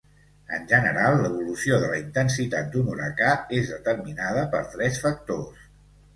En general, l'evolució de la intensitat d'un huracà és determinada per tres factors.